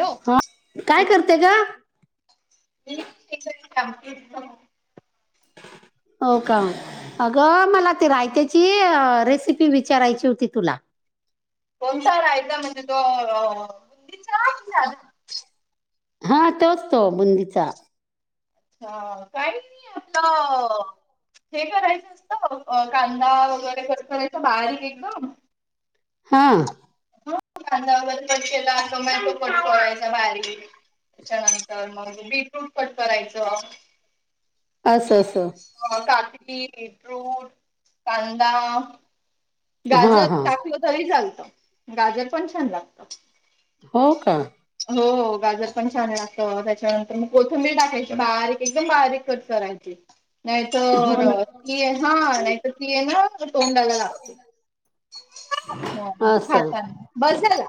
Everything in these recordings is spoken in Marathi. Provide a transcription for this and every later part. हॅलो हा काय करते गं? [unintelligible] हो का? अगं मला त रायत्याची अ रेसिपी विचारायची होती तुला. कोणसा रायचा म्हणजे तो. [unintelligible] हा तोच तो बुंदीचा. हा काय नाही आपलं हे करायचं असत अ कांदा वगैरे कट करायचं बारीक एकदम? हां. हो बांधावर कट केला असं [unintelligible] कट करायचा बारीक. त्याच्यानंतर मग मी पण कट करायचं. असं, असं. हो काकडी, फ्रुट, कांदा हा गाजर हा टाकलं तरी चालतं, गाजर पण छान लागतं. हो का? हो हो गाजर पण छान लागतं, त्याच्यानंतर मग कोथिंबीर टाकायची बारीक एकदम बारीक कट कराय हो ना नाहीतर ती आहे हा, नाहीतर ती आहे ना [unintelligible] तोंडाला लागते हा हा. असं बसं झाला,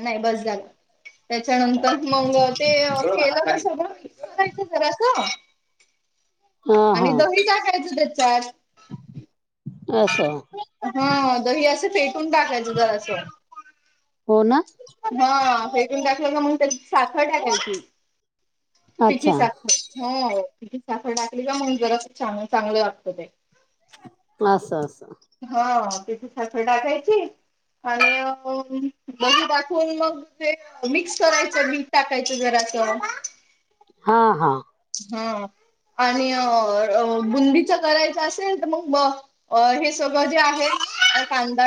नाही बसं झाला. त्याच्यानंतर मग ते केलं कसं ग? [unintelligible] जरासं. हा हा आणि दही टाकायची त्याच्यात. असं. हा दही असं फेटून टाकायच जरासं. हो ना हा फेटून टाकलं म्हणून त्याच्यात साखर टाकायची. पिठी अच्छा साखर हो. तिची साखर टाकली का मग जरासं चांग-चांगलं लागतं ते. असं, असं. हा त्याच्यात साखर टाकायची. आणि मग [unintelligible] दाखवून मग ते मिक्स करायचं मीठ टाकायचं जरासं. हा, हा. हा. आणि अ बुंदीच करायच असेल, तर मग अ हे [unintelligible] जे आहे कांदा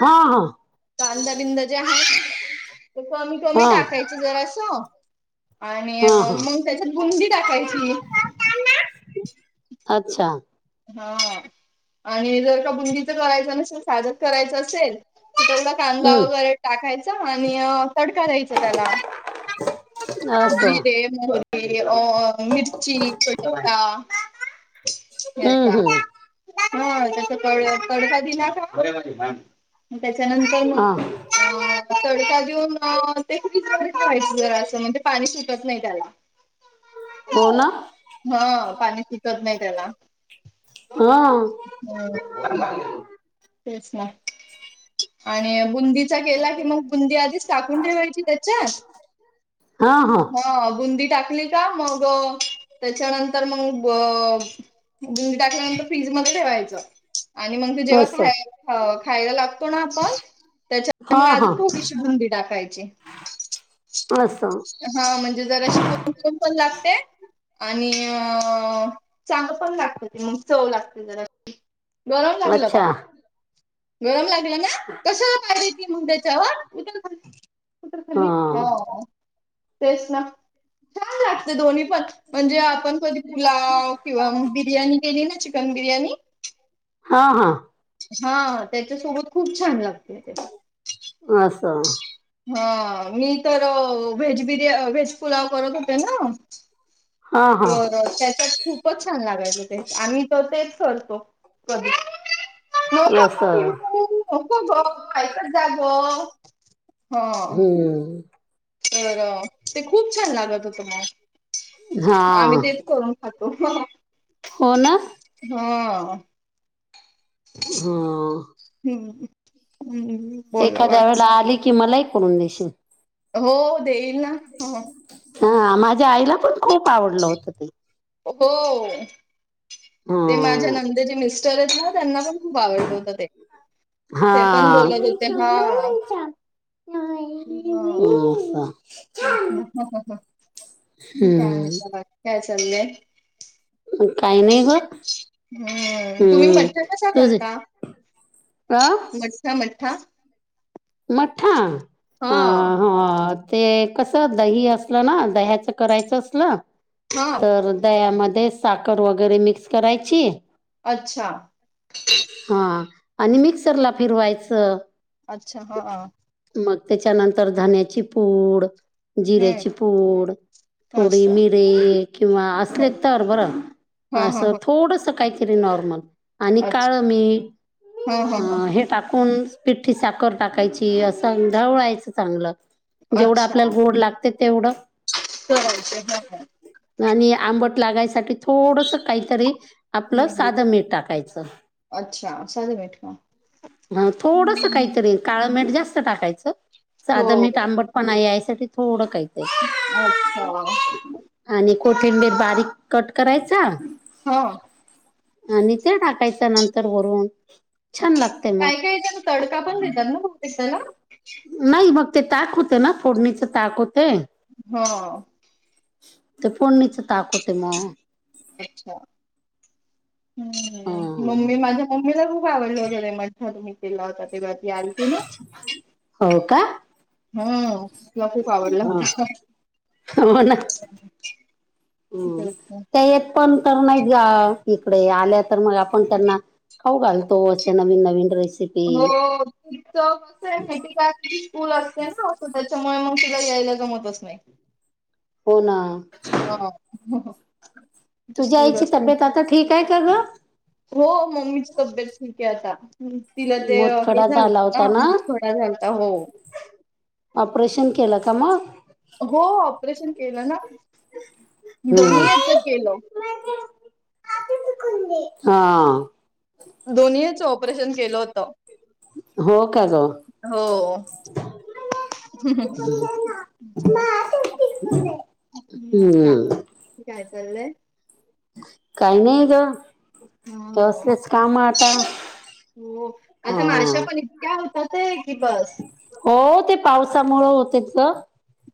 हा हा कांदा बिंदा जे आहे ते कमी कमी हा टाकाय जरासं आणि हा हा मग त्याच्यात गुंडी टाकायची. अच्छा. हा आणि जर का बुंदीचं करायच नसेल, साधंच करायचं असेल तसा कांदा हम्म वगैरे टाकायचा आणि तडका द्यायचा त्याला. असं जिरे मोहरी अ मिर्ची पटोटा हम्म तेचा हम्म हा तेचा तडका दिला का मग त्याच्यानंतर मग हा अ तडका देऊन ते फ्रिजमधे ठेवायचं जरा असं म्हणजे पाणी सुटत नाही त्याला. हो ना [inaudible] हा पाणी पिकत नाही त्याला. [inaudible] हा [inaudible] तेच ना. [inaudible] आणि बुंदीचा केला की मग बुंदी आधीच टाकून ठेवायची त्याच्यात. हा बुंदी टाकली. टा मग त्याच्यानंतर मग गुडी टाकल्यानंतर फ्रीज मध्ये ठेवायचं आणि मग तू जेव्हा असं खाय खायला लाग कोण आपण त्याच्या हा मग हा अजून भोबीशी बुंदी टाकायची. अस. हा म्हणजे जरा [inaudible] पण लागते. आणि चांग पण लागत ते मग चव लागत जरा. गरम लागलं का. अच्छा गरम लागला ना कशाला पाहजे ती मग त्याच्यावर. तर पूर्वी हा हो तेच ना छान लागत दोन्ही पण. म्हणजे आपण कधी पुलाव किंवा बिर्याणी केली ना चिकन बिर्याणी. हा हा. हा त्याच्यासोबत खूप छान लागते ते. असा. हा मी तर व्हेज बिर्या अ व्हेज पुलाव करत होते ना. हा हा बर त्याच्यात खूप. खूपच छान लागायचं ते आम्ही तर तेच करतो कधी नसल. ऊ नको ग ऐकत जा ग. हा हम्म. तर ते खूप छान लागत होत हा मग आम्ही ते करून खातो. हो ना. हा. हा. हम्म हम्म हम्म हम्म. एखाद्या वेळेला आली की मला ही करून देशील. हो देईल ना. हा माझ्या आईला पण खूप आवडलं होत ते. हो. ते माझ्या हम्म. नंदे जे मिस्टर आहेत ना त्यांना पण खूप आवडलं होतं ते. हा ते पण बोलत होते हा. हो असं. [unintelligible] काय. हम्म [inaudible] बाकी काय चालय. काय नाही ग. हम्म तुम्ही हम्म मठ्ठ कसा तुझे करता, अ मठ्ठ मठ्ठा. मठा हा हा. ते कसं दही असलं ना दह्याच करायचं असलं हा तर. दया मध्ये साखर वगैरे मिक्स करायची. अच्छा. हा आणि मिक्सरला फिरवायचं अच्छा हा. मग त्याच्यानंतर धण्याची पूड हम्म जिऱ्याची पूड. थोडी असत मिरे किंवा असले तर बरं, हा हा असं हा थोडस. काय तरी नॉर्मल आणि अच्छा काळं मी हा हा हा आ हे टाकून पिठ्ठी साखर टाकायची असं ढवळायचं चांगलं. जेवढं अच्छा आपल्याला गोड लागते तेवढं करायचे हा आणि आंबट लागायसाठी थोडसा काहीतरी आपलं सादं मीठ टाकायचं. अच्छा सन हा थोडसा काही काळं मीठ जास्त टाकायचं हो सादं मीठ आंबट पणा यायसाठी थोडं काही ते अच्छा! आणि कोथिंबीर बारीक कट करायचा हां. आणि ते टाकायचं नंतर वरून. छान अच्छा लागते मग. काय-काय येच्या ना तडका पण देतात ना बहुतेक त्याला? नाही मग ते ताक होते ना फोडणीचे ताक होते हा. ते फोडणीचे ताक होते म. अच्छा! हम्म ह मम्मी माझ्या मम्मीला रु हो आवडलं वगैरे [unintelligible] तुम्ही केला होता तेव्हा ती आलती ना. हो का? हां तुला खूप आवडला. हो ना हम्म तेच ना. ते पण तर नाहीत ग्या इकडे आल्या तर मग आपण त्यांना हो घालतो असे नवीन-नवीन रेसि [unintelligible] कूल असते ना असं त्याच्यामुळे मावशीला यायला गमतच नाही. हो ना. हां तुझ्या आईची तब्येत आता ठीक आहे का? गं. हो मम्मीची तब्येत ठीक आहे आता हम्म. तिला दे अ हे मोतखडा झाला झालतं होता ना मुठथोडा झालता हो. ऑपरेशन केलं का मग? हो ऑपरेशन केलं ना दोन्ही हेच्या केलं. हा. दोन्ही हेच्या ऑपरेशन केलं होता. हो का ग हो. हम्म [unintelligible] काय चाललंय? काय नाय गं. ह तसलेच काम आता हा. त्या होता ते की बस हो ते पावसामुळ होत होतं.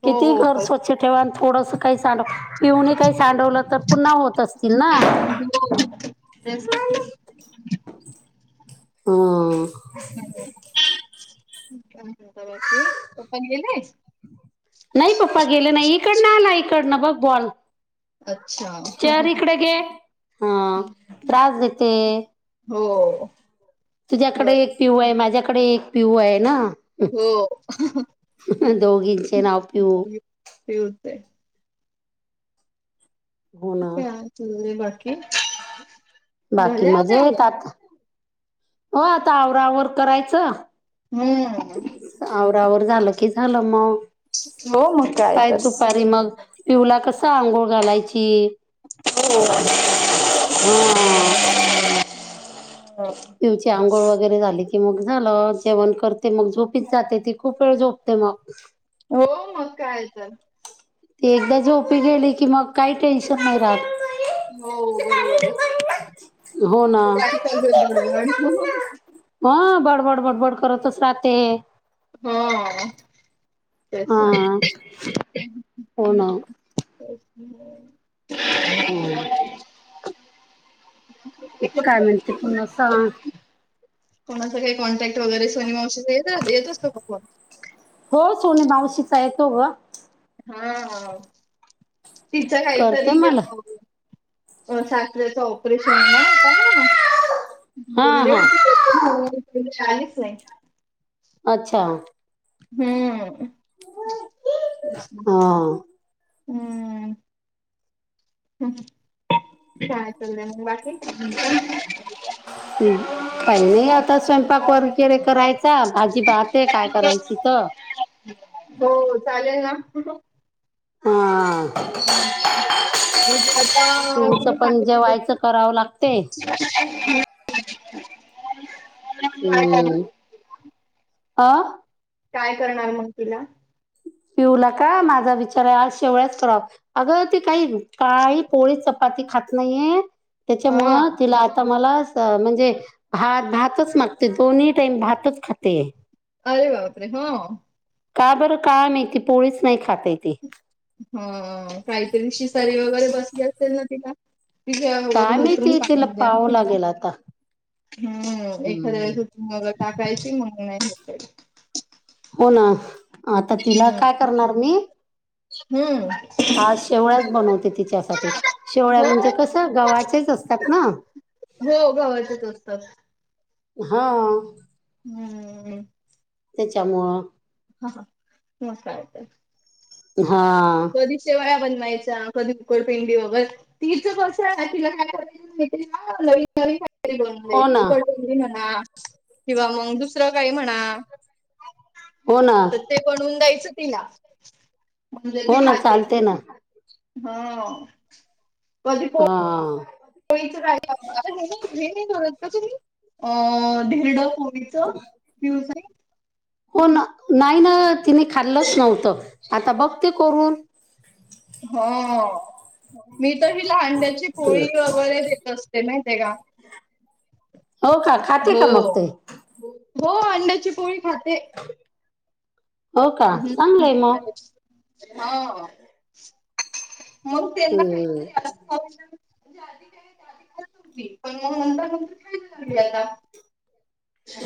हो किती घर हो स्वच्छ ठेवा आणि थोडंसं काही सांडव पीहू ने काही सांडवलं तर पुन्हा होत असतील ना. [unintelligible] हां. [inaudible] ची ओपनलले आहेस. नाही पप्पा गेले नाही इकडनं आला इकडनं बघ बॉल. अच्छा! चेअर इकडे घे हा त्रास देते. हो... तुझ्याकडे बर एक पिऊ आहे माझ्याकडे एक पिऊ आहे ना. हो हा दोघीचें नाव पिऊ. ते होतय हो ना काय चालय बाकी बाकी झाल्या हा आता आवराआवर करायचं. हम्म. आवराआवर झालं की झालं मग. हो मग काय तर दुपारी मग पिऊला कसा आंघोळ घालायची? हो.. हा [inaudible] हो. पिऊची आंघोळ वगैरे झाली की मग झालं. जेवण करते मग झोपीत जाते ती खूप वेळ झोपते मग. हो मग काय तर. ती एकदा झोपी गेली की, मग काही टेन्शन नाही राहत. हो बरोबर आहे हो ना काय चालतं बघायचं मग. ह बडबड बडबड करतच राहते. हो... तेच ना. हा.. हो ना [unintelligible] हम् [unintelligible] काय म्हणते मला सां कोणाच काही कॉन्टॅक्ट वगैरे सोनीमावशी येत येतच का [unintelligible] हो सोन मावशीचा येतो ग. हा.. तिच करते काहीतरी मला अ सासरयाच ऑपरेशन ना काय हा बोल्ली हा होती. [unintelligible] काहीच नाही. अच्छा! हम्म हा हम्म. ह ह काय चलय मग बाकी. [unintelligible] [inaudible] हम्म. काही नाही आता स्वयंपाक वर वगैरे करायचा. भाजी पाहते काय करायची? तर. हो चालेल ना. हा... [unintelligible] आता पिऊचं कुणी पण सांगितली जेवायचं करावं लागते [unintelligible] [unintelligible] काय करणार हम्म.. आ.. काय करणार मग तिला? पिऊला का माझा विचार आहे आज शेवळया करावं. अगं ते काही काही पोळी चपाती खात नाहीये. हा त्याच्यामुळं तिला आता मला आ म्हणजे भात भातच मागते दोन्ही टाईम भातच खाते. अरे बापरे! हो का? बरं का माहिती? पोळीच नाही खाताय ती. ह काहीतरी शिसारी वगैरे बसली असेल ना तिला. तिच्या काय वरून उतरून माहिती तिला काढून द्या पाहावं त लागेल आता हम् एखाद्या हम्म वेळेस. मग टाकायची मग नाही. [unintelligible] हो ना आता तिला काय करणार मी हम्म. आज शेवळ्याच बनवते तिच्यासाठी. शेवळ्या हो. म्हणजे कसं? गव्हाचेच असतात ना. हो गव्हाचेच असतात. हा.. हम्म... त्याच्यामुळ. हा हा मग काय तर. हा. कधी शेवाळा बनवायच्या कधी उकडपिंडी वगर तिचं कसं आहे ना तिला काय [unintelligible] बोलायच ना तीला लयी हो री ना बडरी म्हणा किंवा मग दु. [unintelligible] दुसर काय म्हणा हो ना तर ते बनवून द्यायचं तिला. दिल की हो ना खाते चालते ना ह बगी हां. [unintelligible] धिरड कोबीच प्युज. [unintelligible] हो ना नाही ना तिने खाल्लंच नव्हतं आता बघते करून. हो मी तर हीला अंड्याची पोळी वगैरे देत असत ते नाही ते का हो का खाते हो का मग ते? हो अंड्याची पोळी खाते. हो का चांगलंय मग. हाव मग त्यांना काय हम्म. तर असा औषध ते आधी काय आधी करत होती, नंतर खायला लागली आता.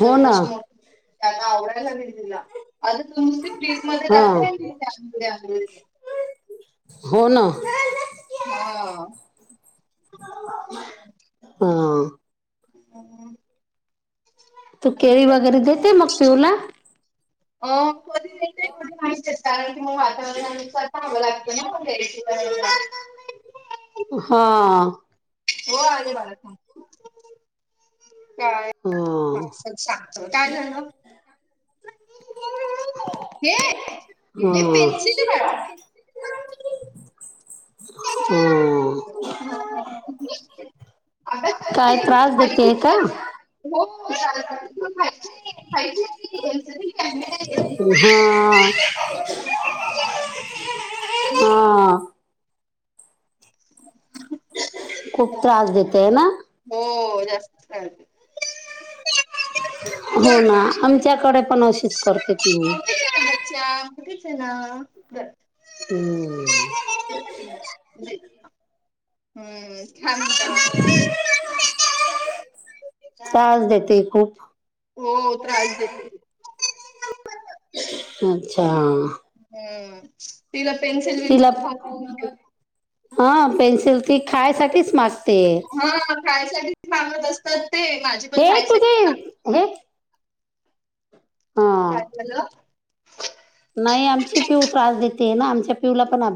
हो ना मी आता आवरायला लागले तिला [unintelligible] मध्ये हा जात. [unintelligible] हो ना हा. ह. हम. [unintelligible] तू केळी वगैरे देते मग पिऊला? अ कधी येतय काय माहती आहेत कारण की मग वातावरणानुसार पाहावं लागतं ना मग घरी. [unintelligible] [unintelligible] हा. हो आले बाळा थांब. का हा असंल शांत काय झालं? हे हा. हे पेन्सिल ले बाळा. हम्म. ह ह [unintelligible] आता काय अभ्यास त्रास खाली देते का फेकल्या. हो [unintelligible] खायचीये. हा. हा. [inaudible] खूप त्रास देतेय ना? हो जास्त चालते. हो ना आमच्याकडे पण अशीच करते तुम्ही. च्या किचना कर हम. हम छान होत. हा त्रास देते खूप हो त्रास देते. अच्छा. हम तिला पेन्सिल तिला वेन्सिल खाऊ हा पेन्सिल ती खायसाठीच माग हा, खायसाठीच मागत असतात ते माझे हे तुझ हे हा काय झालं? नाही आमची पिऊ त्रास देते ना, आमच्या पिऊला पण आप